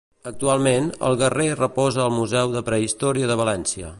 Actualment, el guerrer reposa al Museu de Prehistòria de València.